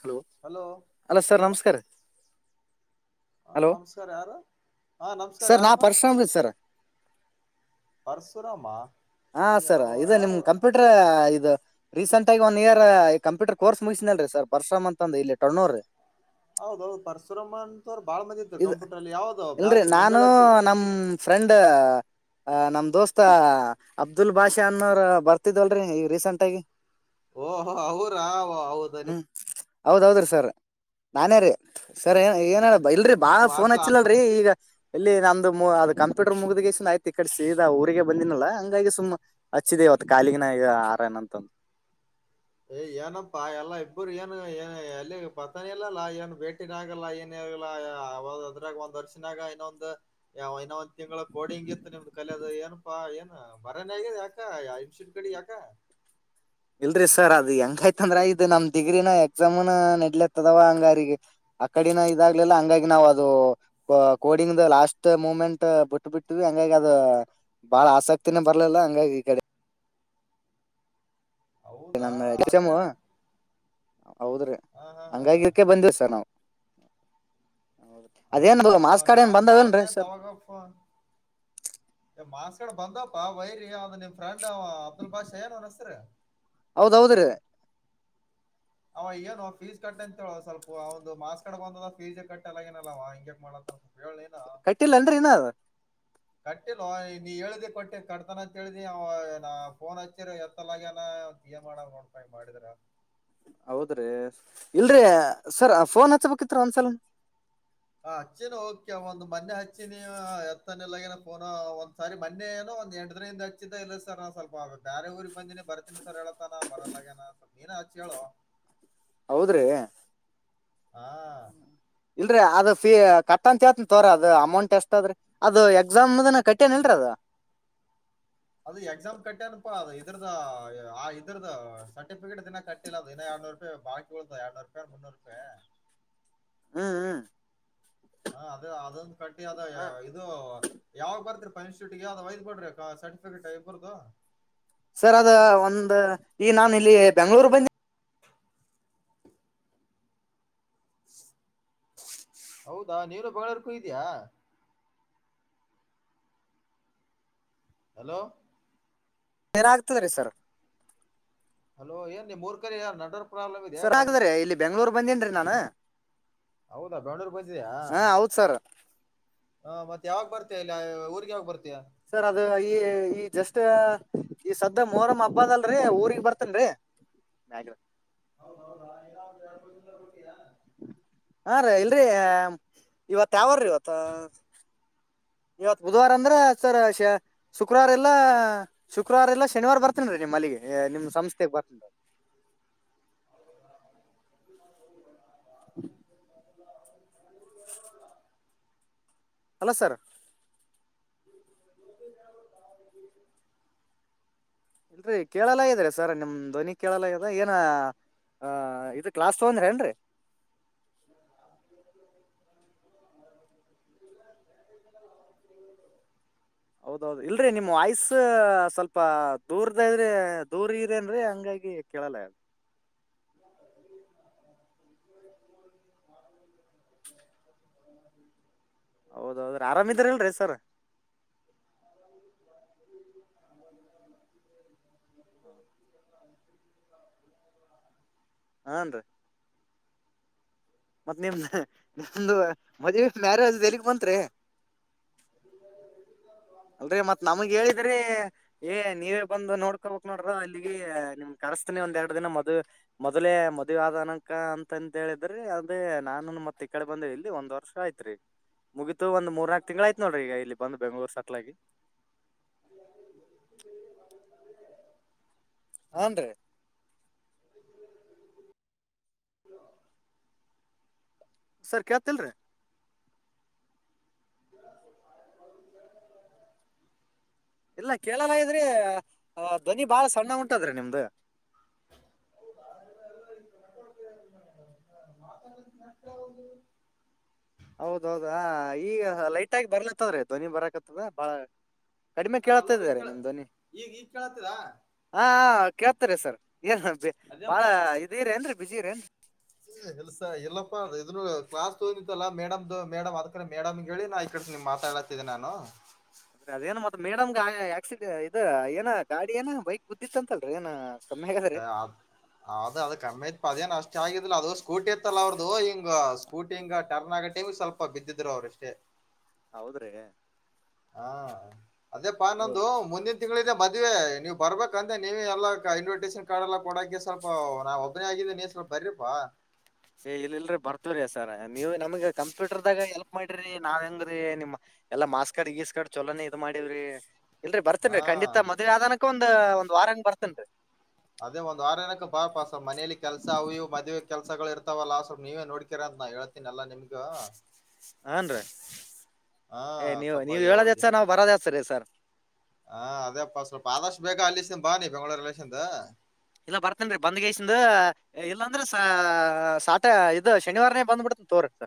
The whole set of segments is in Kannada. ಹಲೋ ಅಲೋ ಸರ್ ಹಲೋ ನಮಸ್ಕಾರ ರಿ. ಹಾ ನಮಸ್ಕಾರ್ಯಾರು ಹಾ ನಮಸ್ಕಾರರ್ ಸರ್ ಯಾರು ನಾ ಅಪ್ಪ ಪರಶುರಾಮ್ ರೀ ಸರ್ ಪರಶುರಾಮ ಹಾ ಸರ್ ಯಾವ ಇದು ನಿಮ್ ಯಾರು ಕಂಪ್ಯೂಟರ್ ಇದು ರೀಸೆಂಟ್ ಆಗಿ ಒನ್ ಇಯರ್ ಕಂಪ್ಯೂಟರ್ ಕೋರ್ಸ್ ಮುಗಿಸಿನಲ್ರರಿ ಸರ್ ಬರ್ಶರಾಮ್ ಅಂತಂದ ಇಲ್ಲಿ ತಣ್ಣೋರರಿ ಹೌದೌದು ಪರಶುರಮ್ಮ ಅಂತವ್ರು ಬಾಳ ಮಂದ ಇದರು ಇದು ಕಂಪ್ಯೂಟರ್ ಅಲ್ಲಿ ಯಾವ್ದ ಇಲ್ರಿ ಬ್ಯಾಚ್ ನಾನು ಮುಂಜೋಳೆ ಹಚ್ಚಿದೆ ನಮ್ ಫ್ರೆಂಡ್ ಅ ನಮ್ ದೋಸ್ತ ಅಬ್ದುಲ್ ಬಾಷಾ ಅನ್ನೋ್ರ ಬರ್ತಿದಲ್ರಿ ಈ ರೀಸೆಂಟ್ ಆಗಿ ಓಹೋ ಅವರ ಅವ್ಡು [unintelligible] ಹೌದೌದು ರೀ ಸರ್ ನಾನೇ ರೀ ಸರ್ ಏನು ಏನು ಇಲ್ರರಿ ಬಾಳ ನಿಮ್ ಫೋನ್ ಹಾಸ್ಟೆಲ್ ಹಚ್ಚಿಲ್ಲಲ್ರರಿ ಈಗ ಇಲ್ಲಿ ನಮ್ದು ಅದು ಕಂಪ್ಯೂಟರ್ ಮುಗ್ದ ಯ್ತಿ ಕಡಸಿದ ಊರಿಗೆ ಬಂದಿನಿಲ್ಲಲ್ಲಂಗ ಹಾಗಿ ಸುಮ್ಮ್ ಹಚ್ಚಿದೆ ಇವತ್ತು ಕಾಲಿಗಿನ ಈಗ ಆರನ ಅಂತಂದು ಏ್ ಏನಪ್ಪಾ ಎಲ್ಲಾ ಇಬ್ಬರು ಏನು ಏನು ಅಲ್ಲಿ ಪತನ ಇಲ್ಲಲ್ಲ ಏನು ಭೇಟಿ ಆಗಲ್ಲ ಏನ ಯಾವ ಅದ್ರಾಗ ಒಂದ್ ವರ್ಷನಾಗ ಇನ್ನೊಂದು ಇನ್ನೊ ಒಂದ ತಿಂಗಳ ಕೋಡಿಂಗಿತ್ತು ನಿಮ್ದ್ ಕಲ ಏನಪ್ಪಾ ಏನ್ ಬರಾನ ಆಗ ಯಾಕ ಇನ್ಷಿಂ ಕಡೆ ಯಾಕ [inaudible] ಇಲ್ರರಿ ಸರ್ ಅದ ಹೆಂಗಾಯ್ತಂದ್ರ ಇದು್ ನಮ್ ಡಿಗ್ರಿನ ಎಕ್ಸಾಮುನ ನೆಡ್ಲತ್ತದವ ಹಂಗಿಗೆ ಅಕಡಿನ ಇದಾಗ್ಲಿಲ್ಲ ಹಂಗಾಗಿ ನಾವವು ಅದು ಕೋಡಿಂಗ್ ದ ಲಾಸ್ಟ್ ಮೂಮೆಂಟ್ ಬಿಟ್ ಬಿಟ್ಟವಿ ಹಂಗಾಗಿ ಅದು ಬಾಳ ಆಸಕ್ತಿನೇ ಬರ್ಲಿಲ್ಲ ಹಂಗಾಗಿ ಈ ಕಡೆ ಹೌದಾ ನನ್ನ ಎಕ್ಸಾಂ ಅದೇ ಹೌದ್ರಿ ಹಾ ಹಾ ಹಾ ಹಂಗಾಗಿಕ್ಕೆ ಬಂದಿವ ಸರ್ ನಾವು ಅದೇ ಅದೇನ್ ಬಾ ಮಾಸ್ ಕಾರ್ಡ್ ಏನ್ ನಾನ್ ಬಂದಾವೇನ್ರೀ ಬಾಳ್ದನೇ ಸರ್ ಅವಾಗ ಫೋನ್ ಮಾಸ್ ಕಡೆ ಬಂದಪ್ಪಾ ವೈರಿ ಅದ ನಿಮ್ ಫ್ರೆಂಡ್ ಅಬ್ದುಲ್ ಬಾಷಾ ಏನ್ ಅವನು ಹೆಸರು ಹೌದ್ರೋದ್ರೀ ಅವ ಎನೂ ಫೀಸ್ ಕಟ್ಟ ಅಂತೇಳ ಸ್ವಲ್ಪ ಒಂದು ಮಾಸ್ ಕಡ ಬಂದದ ಫೀಸ್ ಕಟ್ಟ ಎಲ್ಲ ಏನಲ್ಲವ ಹಿಂಗಗೆಕ್ ಮಾಡ ಕಟ್ಟಿಲ್ಲನ್ರಿ ಇನ್ನ ಅದು ಕಟ್ಟಿಲ್ವ ನೀ ಹೇಳ್ದಿ ಕೊಟ್ಟಿ ಕಟ್ತಾನಂತ ಹೇಳೇಳ್ದಿ ನ ಫೋನ್ ಹಚ್ಚಿರ ಎತ್ತಲಗನ ತಿಯಮಾನೋಡಪ ಮಾಡಿದ್ರ ಹೌದ್ರಿ ಇಲ್ರೀ ಸರ್ ಫೋನ್ ಹಚ್ಬೇಕಿತ್ತ್ರ ಒಂದ್ಸಲ ಆ ಹಚ್ಚಿನ ಓಕೆ ಒಂದು ಮೊನ್ನೆ ಹಚ್ಚಿನಿ ಎಲ್ಲ ಏ ಫೋ ಒಂದ್ ಸಾರಿ ಮನ್ನಿೇಏೋ ಒಂದ ಎಟ ದದಿಂದ ಹಚ್ಚಿದ ಇಲ್ಲ ಸ ನು ಸ್ವಲ್ಪ ಆು ಬೇಾರೆ ಊರಿಗೆಗ್ ಬಂದಿನ ಬರ್ತೀನ್ಸರ್ ಹೇಳತಾನ ಬರಲ್ಲಗ್ಯನಾ ಸ್ ನೀಏನ ಹಚ್ಚಿ ಹೇಳು ಹೌದ್ರಿ ಹಾ ಅದ ಫೀ ಕಟ್ಟಂತೇತ್ ತೋರ ಅದು ಅಮೌಂಟ್ ಎಷ್ಟದ್ರಿ ಅದು ಎಕ್ಸಾಮ್ನ ಕಟ್ಟ್ಯನ ಇಲ್ರ ಅದ [inaudible] ಅದು ಎಕ್ಸಾಮ್ ಕಟ್ಟೆನಪಾ ಅದು ಇದ್ರದ ಆ ಇದ್ರದ ಸರ್ಟಿಫಿಕೇಟ್ ಇದಿನ ಕಟ್ಟಿಲ್ಲ ಏನ ಇರನೂರು ಬಾಲಾಕಿಳದಾ ಇರನೂ ರಪಿ ಮುನ್ನೂ ರಪಾಯ ಹ್ಮ್ ಹ್ಮ ಹ ಅದ ಅದೊಂದು ಕಟ್ಟಿ ಅದ ಹ್ಮ್ ಇದು ಯಾವಾಗ ಬರ್ತ್ರಿ ಇನ್ಸ್ಟೂಟ್ ಯಾವ್ದ್ ಒಯದ್ ಬಿಡ್ರಿ ಸರ್ಟಿಫಿಕೇಟ್ ಇಬ್ಬರ್ದು ಸರ್ ಅದ ಒಂದ್ ಈ ನಾನು ಇಲ್ಲಿ ಬೆಂಗ್ಳೂರ್ ಬಂದೆ ಹೌದಾ ನೀನು ಬೆಂಗಳೂರು ಹೋಗಿದೆಯಾ ಹಲೋ ಬೇರಾಗಗ್ತದೆ ರೀ ಸರ್ ಹಲೋ ಏನೂ ನಿಮ್ಮ ಉರ್ ಕಡೆ ನೆಟ್ [unintelligible] ಸರ್ ಹಾಗದ್ರೆ ಇಲ್ಲಿ ಬೆಂಗಳೂರು ಬಂದೇನ್ರಿ ನಾ ಹೌದಾ ಬಂಡೂರು ಬಂದಯಾ ಹೌದ್ ಸರ್ ಹಾ ಮತ್ತೆ ಯಾವಾಗ ಬರ್ತ ಇಲ್ಲ ಊರ್ಗ್ ಯಾವಾಗ ಬರ್ತ ಸರ್ ಅದು ಈ ಈ ಜಸ್ಟ್ ಈ ಸದ್ದ ಮೋರಮ್ ಹಬ್ಬದ ಅಲ್ರೀ ಊರಿಗ್ ಬರ್ತನ್ರೇ ಮೆಗಾಡು [inaudible] ಹಾ ರೀ ಇಲ್ರಿ ಇವತ್ ಯಾವಾರೀ ಇವತ್ತ. ಇವತ್ ಬುಧವಾರ ಅಂದ್ರೆ ಸರ್ ಶ ಶುಕ್ರವಾರ ಇಲ್ಲ ಶುಕ್ರವಾರ ಇಲ್ಲ ಶನಿವಾರ ಬರ್ತೇನ ರೀ ನಿಮ್ಮ ಮಲ್ಲಿಗೆ. ಏ ನಿಮ ಸಂಸ್ಥೆಗೆ ಬರ್ತ [inaudible] [inaudible] ಅಲೋ ಸರ್. [inaudible] ಇಲ್ರರಿ ಕೇಳಲ್ಲಾ ಇದ್ರ ಸರ್ ನಿಮ್ ಧ್ವನಿ ಕೇಳಲ್ಲ ಇದದ ಏನ. ಹಾ ಇದು ಕ್ಲಾಸ್ ತಗೊಂಡ್ರಿ ಏನ್ರಿ. [unintelligible] ಹೌದೌದು ಇಲ್ ರೀ ನಿಮ್ ವಾಯ್ಸ್ ಸ್ವಲ್ಪ ದೂರ್ದ್ರೆ ದೂರ್ ಇದೆೇನ್ರರಿ ಹಂಗ್ ಆಗಿ ಆಗಿ ಕೇಳಲ್ಲ [unintelligible] ಹೌದೌದ್ರೀ ಆರಾಮಿದ್ರ ಅಲ್ರಿ ಸರ್ [unintelligible] ಹ ಹನ್ರೀ ಮತ್ತ್ ನಿಮ್ ನಿಮ್ದು ಮದ್ವಿ ಮ್ಯಾರೇಜ್ದು ಎಲಿಗ್ ಬಂತ್ರಿ ಅಲ್ರರಿ ಮತ್ ನಮಗ್ ಹೇಳಿದ್ರಿ ಏ ನೀವೇ ಬಂದು ನೋಡ್ಕೋಬೇಕ್ ನೋಡ್ರ ಅಲ್ಲಿಗೆ ನಿಮ್ ಕ ಮಾಡಸ್ತನಿ ಒಂದ್ ಎರಡು ದಿನ ಮದ್ ಮೊದ್ಲೇ ಮದ್ ಆದ ನಂಕ ಅಂತ ಹೇಳಿದ್ರೆ ಅಂದೆ ನಾನು ಮ ತ್ತ ಈ ಕಡೆ ಬಂದ್ರೆ ಇಲ್ಲಿ ಒಂದ್ ವರ್ಷ ಆಯತ್ರಿ ಮುಗ್ತ್ ತ್ತು ಒಂದು ಮೂರ್ ನಾಲ್ಕು ತಿಂಗಳು ಆಯ್ತು ನೋಡ್ರಿ ಈಗ ಇಲ್ಲಿ ಬಂದ್ ಬೆಂಗಳೂರ್ ಸಟ್ಲ ಆಗಿ [unintelligible] ಹಾನ್ ರೀ ಸರ್ ಕೇಳತ್ತ್ ಇಲ್ರೀ [unintelligible] ಇಲ್ಲ ಕೇಳಲ್ಲ ಇದ್ರಿ ಧ್ವನಿ ಬಾಳ್ ಸಣ್ಣ ಉಂಟದ್ರೆ ನಿಮ್ದು [unintelligible] ಹೌದೌದ ಈಗ ಲೈಟ್ಗಿ ಬರ್ಲತ್ತವ್ರೀ ಧ್ವನಿ ಬರಕತ್ತದ ಬಾಳ್ ಕಡಿಮೆ ಹಾ ಕೇಳ್ತಾ ಅಲೋ ಈಗ ಇದಾರೆ ಕೇಳ ನಿಮ್ ಧ್ವನಿ ಈಗ ಈಗ ಕೇಳತ್ತದ ಹಾ ಕೇಳ್ತಾರೆ ಸರ್ ಏನ್ ಅದೇ ಬಾಳ ಇದೀರೇನ್ ರೀ ಬಿಜಿರೇನ್ ರೀ ಎಲ್ಸ ಎಲ್ಲಪ್ಪಾ ಇದ ಕ್ಲಾಸ್ ಇತೋತ್ತಲ್ಲಾ ಮೇಡಮ್ದು ಮೇಡಮ್ ಅದ್ ಮೇಡಮ್ ಹೇಳಿ ನಾ ಈ ಕಡೆ ನಿಮ್ ಮಾತಾಡಾತಿದ್ದೆ ನಾನು ಅದ್ರೆ ಅದೇನ ಮತ್ತ್ ಮೇಡಮ್ಗ ಆಕ್ಸಿಡೆ ಇದ ಏನ ಗಾಡಿ ಏನ ಬೈಕ್ ಗುದ್ದಿತಂತ್ ಅಲ್ರೀ ಏನೋ ಅದ ಅದು ಕಮ್ಮಿ ಐತ್ ಪ ಅದೇನಷ್ಟು ಚನ್ನಾಗಿದ್ದಿಲ್ಲ ಅದು ಸ್ಕೂಟಿ ಇತ್ತಲ್ಲ ಅವ್ರ್ದು ಹಿಂಗ್ ಸ್ಕೂಟಿ ಇಂಗ್ ಟರ್ನ್ ಆಗೋ ಟೈಮ್ ಸ್ವಲ್ಪ ಬಿದ್ದಿದ್ರು ಅವ್ರುಷ್ಟೇ ಹೌದ್ರೀ ಹಾ ಅದೇಪ್ಪ ನಮ್ಮದು ಮುಂದಿನ್ ತಿಂಗಳಿದೆ ಮದ್ವೆ ನೀವು ಬರ್ಬೇಕಂದೆ ನೀವೆ ಎಲ್ಲಾ ಇನ್ವಿಟೇಷನ್ ಕಾರ್ಡ್ ಎಲ್ಲಾ ಕೊಡಕೆ ಸ್ವಲ್ಪ ನಾ ಒಬ್ಬನೇ ಆಗಿ ದ್ದೀನಿ ಸ್ವಲ್ಪ ಬರ್ರಿಪಾ ಏ ಇಲ್ಲಿಲ್ರೀ ಬರ್ತದ್ ಸರ್ ನೀವ್ ನಮ್ಗ ಕಂಪ್ಯೂಟರ್ದಾಗ ಎಲ್ಪ್ ಮಾಡ್ರೀ ನಾವ್ ಹೆಂಗ್ರೀ ನಿಮ್ ಎಲ್ಲಾ ಮಾಸ್ಕಡ್ ಗಿಸ್ಕಡ್ ಚಲೋನೇ ಇದ್ ಮಾಡಿವ್ರಿ ಇಲ್ರರಿ ಹಾ ಬರ್ತೇನ್ರರಿ ಖಂಡಿತ ಮದ್ವೆ ಆದನಕ್ಕ ಒಂದ್ ಒಂದ್ ವಾರಾಂಗ ಬರ್ತೇನ್ರೀ ಅದೇ ಒಂದ್ ವಾರ ನನಕ್ಕ ಬಾಪಸ್ ಮನೇಲಿ ಕೆಲಸ ಅವು ಇವು ಮದ್ವೆೆ ಕೆಲಸಗಳು ಇರ್ತಾವಲ್ಲ ಸ್ವಲ್ಪ ನೀವೇ ನೋಡ್ಕೀರ್ ನಾ ಹೇಳ್ತೀನ ಎಲ್ಲಾ ನಿಮ್ಗೂ ಹನ್ರೀ ಹಾ ಏ ನೀವು ಸ್ವಲ್ಪ ನೀವ್ ಅಯ್ಯೋ ಹೇಳದ್ ಹೋಗಿ ಹೆಚ್ಚ ನಾವ್ ಬರೋದ್ ಹೆಚ್ಚ್ರೀ ಸರ್ ಹಾ ಅದೇಪ್ಪ ಸ್ವಲ್ಪ ಆದಷ್ಟು ಬೇಕಾ ಅಲ್ಲಿಸ್ನ್ ಬಾ ನೀ ಬೆಂಗಳೂರು ರಿಲೇಷನ್ ದ ಇಲ್ಲ ಬರ್ತೀನ್ ರೀ ಬಂದ್ಗೈಸಂದು ಇಲ್ಲಾಂದ್ರೆ ಸಾಟ ಇದು ಶನಿವಾರನೇ ಬಂದ್ಬಿಡ್ತ್ ತೋರಕ್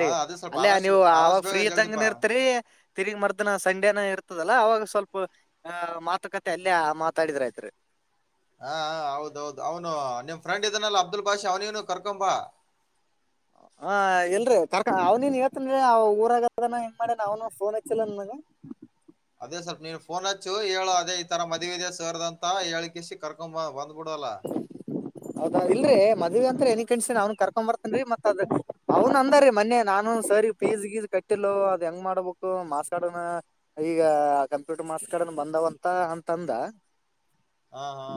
ಹಾ ಅದೇ ಸ್ವಲ್ಪ ಅಲ್ಲೇ ಆದಷ್ಟು ನೀವು ಅವಾಗ ಆದಷ್ಟು ಬೇಗ ಫ್ರೀ ಜಲ್ದಿಪ್ಪ ಇದ್ದಂಗನೂ ಇರ್ತಿರಿ ತಿರ್ಗ್ ಮರ್ಸದಿನ ಸಂಡೇನ ಇರ್ ತದಲ್ಲ ಅವಾಗ ಸ್ವಲ್ಪ ಹ ಮಾತುಕತೆ ಅಲ್ಲೇ ಮಾತಾಡಿದ್ರೆ ಆಯ್ತ್ ರೀ ಹಾ ಹೌದೌದು ಅವನು ನಿಮ್ ಕರಂಕಡಿದ್ದೀನಲ್ಲ ಅಬ್ದುಲ್ ಭಾಷಾ ಅವನೇನು ಕರ್ಕೊಂಬಾ ಹ ಎಲ್ರಿ ಕರ್ಕ ಅವ್ನನ್ ಇವತ್ತನ್ ಅವ ಊರಗದನ ಹೆಂಗ್ ಮಾಡೇನ ಅವ್ನು ಪೋನ್ ಹಚ್ಚಿಲ್ಲ ನನಗ ಹ [unintelligible] ಅದೇ ಸ್ವಲ್ಪ ನೀನ್ ಪೋನ್ ಹಚ್ಚು ಹೇಳು ಅದೇ ಈ ತರ ಮದ್ವಿ ಇದೆ ಸರ್ ದು ಹೇಳಳ್ಸಿ ಕರ್ಕೊಂಡ್ ಬಾ ಬಂ ಹೌದಾ ಇಲ್ರೀ ಮದ್ವೆೆಂತ್ ಎನ ಕಣ್ಸಿನ ಅವ್ನ್ ಕರ್ಕೊ ಬರ್ತೀನ್ ರೀ ಮತ್ ಅದ ಅವ್ನು ಅಂದ ರೀ ಮೊನ್ನೆ ನಾನು ಸರ್ ಪೀಸ್ ಗೀಜ್ ಕಟ್ಟಿಲೋ ಅದ್ ಹೆಂಗ್ ಮಾಡಬೇಕು ಮಾರ್ಕ್ಸ್ ಕಾರ್ಡ್ ಏನೋ ಈಗ ಕಂಪ್ಯೂಟರ್ ಮಾರ್ಕ್ಸ್ ಕಾರ್ಡ ಬಂದವಂತ ಅಂತಂದ ಹಾ ಹಾ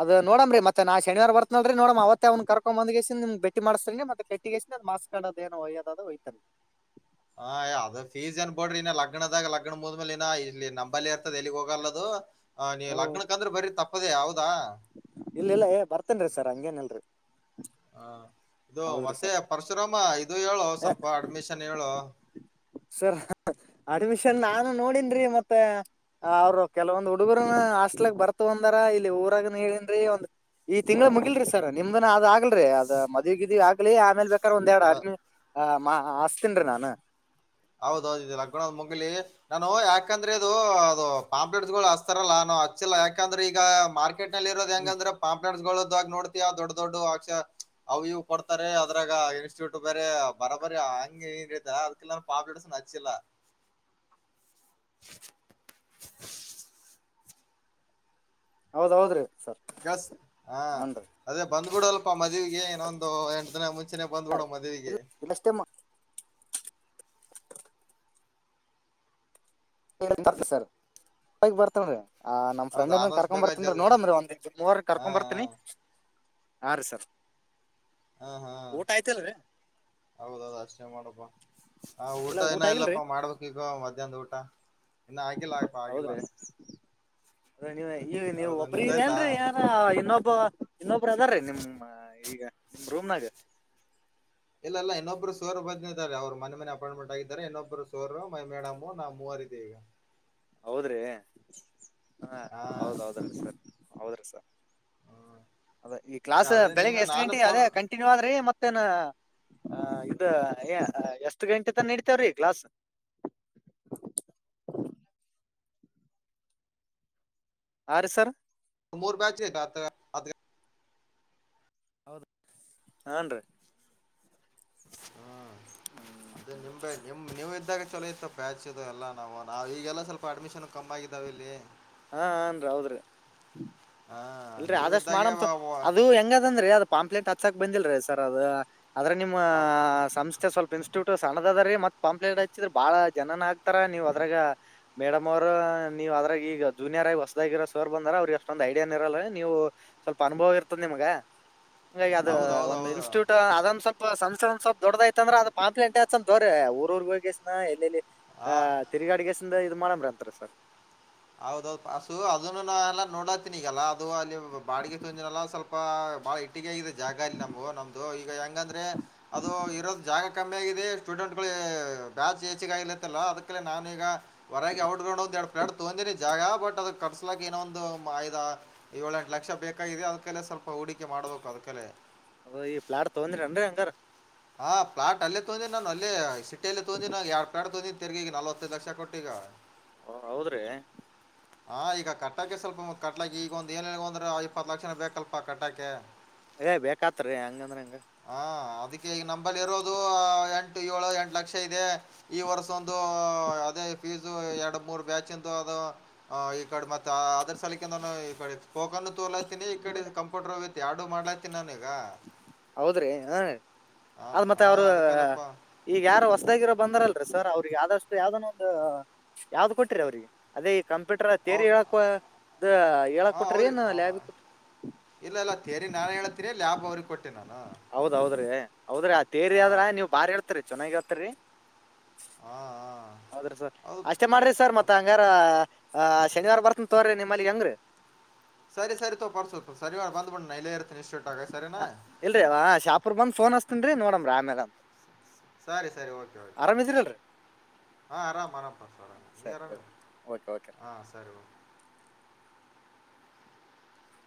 ಅದು ನೋಡಮ ರೀ ಮತ್ತೆ ಶನಿವಾರ ಬರ್ನಲ್ನೋಡ ಅವ್ ಕರ್ಕೊ ಬಂದ ಭೇ ಮಾಡಸ ಮತ್ತೆಟ್ಟಿ ಕಸ್ಕಡೋದ ನೋ ಒಯ್ಯೋದ ಅದು ಒಯ್ತಾರೆ ಹ ಅದ ಫೀಸ್ ಏನ್ ಬೋಡ್ರಿ ಇನ ಲಗ್ನದಾಗ ಲಗ್ನ ಮುದ್ಮೇಲೆ ಇನ ಇಲ್ಲಿ ನಂಬಲ್ಲಿ ಇರ್ತದ ಎಲ್ಲಿಗ್ ಹೋಗಲ್ಲದು ಹ ನೀವು ಹೌದೌದು ಲಗ್ನಕ್ಕ ಅಂದ್ರೆ ಬರೀ ತಪ್ಪದೇ ಯಾವ್ದ ಇಲ್ಲ ಇಲ್ಲ ಬರ್ತೇನ್ರೀ ಸರ್ ಹಂಗೇನಲ್ರರಿ ಹಾ ಇದು ಮತ್ತೆ ಸರ್ ಪರಶುರಾಮ ಇದು ಹೇಳು ಸ್ವಲ್ಪ ಅಡ್ಮಿಷನ್ ಹೇಳು ಸರ್ ಅಡ್ಮಿಷನ್ ನಾನು ನೋಡನ್ ಮತ್ತೆ ಅವ್ರು ಕೆಲವೊ ಹುಡುಗರುನ ಹಾಸ್ಟೆಲಗ್ ಬರ್ತ ಅಂದಾರ ಇಲ್ಲಿ ಊರಾಗ ನೀನ್ ಒಂದ್ ಈ ತಿಂಗ್ಳ ಮುಗಿಲ್ರಿ ಸರ್ ನಿಮ್ದನ ಅದ ಆಗ್ಲ್ರಿ ಅದ ಮದ್ಗ ಇದಿದಿವಿ ಆಗ್ಲಿ ಆಮೇಲೆ ಬೇಕ ಅಕ್ಕ ಒಂದ ಎರಡು ಹ ಅಮ ಆ ಮಾ ಆಸ್ತಿನ್ ನಾನು ಹೌದೌದು ಇ ಲಗ್ಗಣದ್ ಮುಗಲಿ ನಾನು ಯಾಕಂದ್ರೆ ಇದು ಅದು ಪಾಂಪ್ಲೆಟ್ಸ್ ಗಳು ಹಸ್ತಾರಲ್ಲ ಹಚ್ಚಿಲ್ಲಾಕಂದ್ರೆ ಈಗ ಮಾರ್ಕೆಟ್ ನಲ್ಲಿ ಇರೋದು ಹ್ಮ್ ಹೆಂಗಂದ್ರೆ ಪಾಂಪ್ಟ್ಸ್ಗಳು ನೋಡ್ತಯಾ ದೊಡ್ಡ ದೊಡ್ಡ ಅಕ್ಷ ಅವು ಇ್ ಕೊಡ್ತಾರೆ ಅದ್ರಾಗ ಇನ್ಸ್ಟಿಟ್ಯೂಟ್ ಬೇರೆ ಬರ ಬರಿ ಹಂಗ ಅದಕ್ಕೆಲ್ಲ ಪಾಪಸ ನಚ್ಚಿಲ್ಲ ಹೌದೌದ್ರಿ ಕೆಲ್ಸ ಹಾ ಅದೇ ಬಂದ್ಬಿಡಲ್ಲಪ ಮಜ್ ಮದ್ವಿಗೆ ಇನೊಂದು ಎಂಟ ದಿನ ಮುಂಚನೆೇ ಇಲ್ಲ ಬಂದ್ಬಿಡು ಮದ್ವಿಗೆ ಇಲ್ಲಷ್ಟೇ ಬರ್ ಸರ್ ಬರ್ತಾನ್ರೀ [unintelligible] ಆ ನಮ್ ಹೌದು ಫ್ರಂಡ್ಏನ್ ಆದಷ್ಟು ಕರ್ಕೊ್ ಬೇಗ ಬರ್ತನ್ ಜಲ್ ನೋಡನ್ ಒಂದ್ ಇ ಮೂವರ್ ಹಾ ಕರ್ಕೊಂಡ್ ಹಾ ಬರ್ತೀನಿ ಹ ರೀ ಸರ್ ಹಾ ಹಾ ಓಟ ಆಯ್ತಲ್ರಿ ಹೌದೌದು ಅಷ್ಟೇ ಮಾಡಪ್ಪಾ ಹ ಊಟ ಇಲ್ಲ ಏನ ಆಗಿಲ್ರಿ ಎಲ್ಲಪ್ಪ ಮಾಡ್ಬೇಕ ಈಗ ಮಧ್ಯಾಹ್ನ ಊಟ ಇನ್ನು ಆಗಿಲ್ಲ ಆಗಪ್ಪಾ ಆಗಿಲ್ಲ ಹೌದ್ರಿ ನೀವ ಈ ನೀವು ಹೌದು ಒಬ್ಬ್ರ ನ್ ನಿಮ್ದ ಆಯ್ತಾ ಹೇಳಲ್ರರಿ ಯಾರ ಇನ್ನೊಬ್ಬ ಇನ್ನೊಬ್ಬರು ಅದರೀ ನಿಮ್ಮ ಈಗ ನಿಮ ರೂಮ್ನಾಗ ಒಬ್ರು ಸೋರ್ ಬದ್ನಾರೆ ಅವರು ಮನೆ ಮನೆ ಅಪಾಯಂಟ್ಮೆಂಟ್ ಆಗಿದ್ದಾರೆ ಇನ್ನೊಬ್ರು ಸೋರು ಮೈ ಮೇಡ್ ನ ಮೂವರ್ ಇದೆ ಈಗ ಹೌದ್ರಿ ಹ ಹಾ ಹೌದ್ದ್ರೀ ಸರ್ ಹೌದ್ರಿ ಸರ್ ಅದ ಈ ಕ್ಲಾಸ್ ಅದೇ ಬೆಳಗ್ ನೀನು ಎಷ್ಟ್ ನಾನು ಗಂಟೆ ಫೋನ್ ಅದೇ ಕಂಟಿನ್ಯೂ ಆದ್ರಿ ಮತ್ತೆ ಮತ್ತನಾ ಇದ ಎಷ್ಟ್ ಗಂಟೆ ತಾನ ನಡತೇವ್ರೀ ಕ್ಲಾಸ್ [unintelligible] ಯಾರ ಸರ್ ಮೂರು ಬ್ಯಾಚ್ ದೆ ಹೌದು ಹಾನ್ರಿ ಹ್ಮ್ ಅದೇ ನಿಂಬ ನಿಮ ನೀವು ಇದ್ದಾಗ ಚಲೋ ಇತ್ತು ಬ್ಯಾಚ್ ಇದು ಎಲ್ಲಾ ನಾವು ನಾವವು ಈಗಲ್ಲ ಸ್ವಲ್ಪ ಅಡ್ಮಿಷನ್ ಕಮ್ಮ ಆಗಿದಾವ ಇಲ್ಲಿ ಹಾ ಹನ್ರಿ ಹೌದ್ರರಿ ಹಾ ಇಲ್ರರಿ ನೀವು ಆದಷ್ಟ್ ಇದ್ದಾಗೆ ಮಾಡಂತ ವ- ವ- ಅದು ಹೆಂಗದಂದ್ರಿ ಅದ ಪಾಂಪ್ಲೇಂಟ್ ಹಚ್ಚಾಕ ಬಂದಿಲ್ರೀ ಸರ್ ಅದ ಅ್ರ ನಿಮ್ಮ್ ಸಂಸ್ ಮತ್ತೆ ಸ್ವಲ್ಪ ಇನ್ಸ್ಟಿಟ್ಯೂಟ್ ಸಣ್ಣದ ಅದ ರೀ ಮತ್ ಪಂಪ್ಲೇಟ್ ಹಚ್ಚಿದ್ ಬಾಳ ಜನ ಹ ಆಕ್ತಾರ ನೀವು ಅದ್ರಾಗ ಮೇಡಮ್ ಅವರು ನೀವು ಅದ್ರಾಗ ಈಗತ್ತು ಜೂನಿಯರ್ ಆಗಿ ಹೊಸದಾಗಿರೋ ಸೋರ್ ಬಂದ್ರ ಅವ್ರಿಗೆ ಎಷ್ಟೊಂದ್ ಐಡಿಯಾನನ್ ಇರಲ್ಲರಿ ನೀವು ಸ್ವಲ್ಪ ಅನುಭವ ಇರ್ತದ ನಿಮ್ಗ ಹಾಗಿ ಅದು ಒಂದು ಹೌದೌದೌದು ಇನ್ಸ್ಟಿಟ್ಯೂಟ್ ಅದೊಂದ ಸ್ವಲ್ಪ ಸಂಸ್ೆ ಸ್ವಲ್ಪ್ ದೊಡ್ಡದ ಐತ ಅಂದ್ರ ಅದ ಪಾಂಪ್ಲಿ ಎಂಟೆತ್ಂದ ದೋ್ರ ಊರ್ಗೋಗಸ ಎಲ್ಲಲ್ಲಿ ಅ ಆ ತಿರ್ಗಾಡಿಸ ಇಲ್ಲ ಇದು ಮಾಡಂಬ್ರ ಅಂತಾರೆ ಸರ್ ಹೌದೌ ಪಸು ಅದನ್ನು ನಾ ಎಲ್ಲ ನೋಡತ್ತಿನಿ ಈಗಲ್ಲ ಅದು ಅಲ್ಲಿ ಬಾಡಿಗೆ ತುನಲ್ಲ ಸ್ವಲ್ಪ ಬಾಳ ಇ ಗ ಜಾಗ ಅಲ್ಲಿ ನಮು ನಮ್ದು ಈಗ ಹೆಂಗಂದ್ರೆ ಅದು ಇರೋದು ಜಾಗ ಕಮ್ಮಿ ಆಗಿದೆ ಸ್ಟೂಡೆಂಟ್ ಗಳು ಬ್ಯಾಚ್ ಹೆಚ್ಗೆ ಆಾಗಿಲತ್ತಲ್ಲ ಅದಕ್ಕೆ ನಾನು ಈಗ ಹೊರಗೆ ಔಟ್ ಗ್ರೌಂಡ್ ಒ ಎರ್ಲಡ್ ತೊಂದಿನಿ ಜಾಗಾ ಬಟ್ ಅದ ಕಟ್ಸಲಾಕ್ಕ ಇನ ಒಂದ್ ಐದ್ ಆ ಯೋಳ ಎಂಟ್ ಲಕ್ಷಾ ಬೇಕಾಗಿದೆ ಅದಕಲಿ ಸ್ವಲ್ಪ. ಹೂಡಿಕೆ ಮಾಡಬೇಕು ಅದ್ಕಲೆೇ. ಅ ಈ ಪ್ಲಾಟ್ ತಗೊಂದೀರನ್ರಿ ಹಂಗಾರ. ಹಾ ಪ್ಲಾಟ್ ಅಲ್ಲೇ ತೋಂದೀನ್ನಿ ನಾನು ಅಲ್ಲೇ ಸಿಟಿಯಲ್ಲಿ ತೋಂದಿನ ಯಾಡ್ ಪ್ಲಾಟ್ ತೊಂದೀದ್ನಿ. ತಿರಗಿ ಈಗ ನಲವತ್ತೈದ ಲಕ್ಷಾ ಕೊಟ್ಟಿಗಾ. ಓ ಹೌದ್ರೀ. ಹಾ ಈಗ ಕಟ್ಟಾಕೆ ಸ್ವಲ್ಪ ಮತ್ ಕಟ್ಟಾಕೆ ಈಗ ಒಂದ್ ಏನ್ ಇಲ್ಲಾ ಅಂದ್ರೆ ಇಪ್ಪತ್ತ ಲಕ್ಷಾನೇ ಬೇಕಲ್ಪ ಕಟ್ಟಾಕೆ. ಏ ಬೇಕಾತ್ ರೀ ಹಂಗಂದ್ರ ಹೆಂಗ್. ಹಾ ಅದಕ್ಕೆ ಈಗ ನಂಬಲ್ಲಿರೋದು ಎಂಟು ಯೋಳು ಎಂಟು ಲಕ್ಷಾ ಇದೆ ಈ ವರ್ಸ ಒಂದು ಅದೇ. ಫಿಜು ಏರ್ಡ ಮೂರ್ ಬ್ಯಾಚಿಂದು ಅದು ಈಕಡ ಮತ್ತ. ತಾ ಅದ್ರ ಸಲಾಕೆಂದನ ಈಕಡೆ ಸ್ಪೋಕನ್ನೂ ತೋಲಾತೀನಿ ಈಕಡೆ ಇದ್ ಕಂಪ್ಯೂಟರ್ ವಿಥ್ ಯಾಡು ಮಾಡ್ಲಾತಿನ್ ನಾನೀಗ. ಹೌದ್ರಿ ಹರಿ. ಹಾ ಅದ ಮತ್ತ ಹಾ ಅವ್ರ ಅದಕ್ಕಲ್ಲಪ್ಪ ಈಗ ಯಾರ್ ಹೊಸದಾಗಿರೋರ ಬಂದಾರಲ್ರಿ. ಸರ್ ಅವ್ರಿಗೆ ಆದಷ್ಟು ಯಾವ್ದನ ಒಂದ್ ಯಾವ್ದ್ ಕೊಟ್ಟಿರಿ ಅವ್ರಿಗೆ ಅದೇ. ಕಂಪ್ಯೂಟರ್ ತೇರಿ ಅವ್ ಹೇಳಾಕ್ವಾ ದ ಹೇಳದ ಹಾಂ ಕೊಟ್ರಿ ಅವ್ರಿ ಏನ್ ಲ್ಯಾಬಿಗ್ ಕೊಟ್ರ. ಇಲ್ಲ ಇಲ್ಲ ತೇರಿ ನಾನೇ ಹೇಳ್ತೀನಿ ಲ್ಯಾಬ್ ಅವ್ರಿಗ್. ಹೌದೌದ್ರಿ ಹೌದ್ರಿ ಆ ತೇರಿ ಆದ್ರ ಹಾಂ ನೀವ್ ಬಾರ್ರೀ ಹೇಳ್ತೀರಿ ಚನ್ನಾಗ ಹೇಳ್ತೀರಿ. ಹಾಂ ಹಾಂ ಹೌದ್ರಿ ಸರ್ ಅಷ್ಟೇ ಅದು ಮಾಡ್ರಿ ಸರ್ ಮತ್ತ ಹಂಗಾರ. ಅ ಶನಿವಾರ ಬರ್ತನ್ ತೋರ್ರಿ ನಿಮ್ಮಲ್ಲಿ ಹೆಂಗ್ರಿ. ಸರಿ ಸರಿ ತೋ ಪರಸು ಶನಿವಾರ್ ಬಂದ್ಬಿಡ್ ನಾ ಇರ್ತೆನ್. ಇಲ್ರಿ ಷಾಪುರ್ ಬಂದ್ ಫೋನ್ ಹಸ್ತನ್ರಿ ನೋಡಮ್ರಿ ಆಮ್ಯಾಲ ಅಂತ. ಸರಿ ಸರಿ ಓಕೆ ಓಕೆ. ಆರಾಮಿದ್ರಲ್ರಿ ಹಾ ಆರಾಮ ಆರಾಮ್ ಹಾ ಪರಶರಾಮ ನೀ ಸರಿ ಅರಾಮಿ. ಓಕೆ ಓಕೆ ಓಕೆ ಹಾ ಸರಿಯೊಳು.